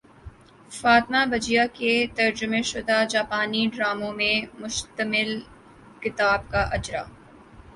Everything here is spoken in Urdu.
فاطمہ بجیا کے ترجمہ شدہ جاپانی ڈراموں پر مشتمل کتاب کا اجراء